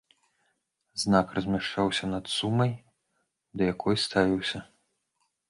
Знак размяшчаўся над сумай, да якой ставіўся.